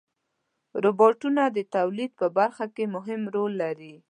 روبوټونه د تولید په برخه کې مهم رول لري.